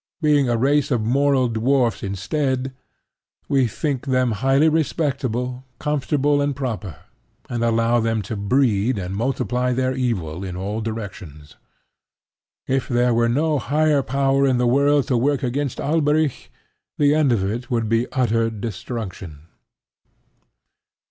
Being a race of moral dwarfs instead, we think them highly respectable, comfortable and proper, and allow them to breed and multiply their evil in all directions. If there were no higher power in the world to work against Alberic, the end of it would be utter destruction.